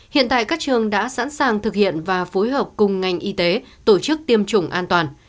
hiện tại các trường đã sẵn sàng thực hiện và phối hợp cùng ngành y tế tổ chức tiêm chủng an toàn